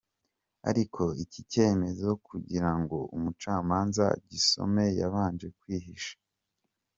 Ariko icyi cyemezo kugira ngo umucamanza agisome yabanje kwihisha!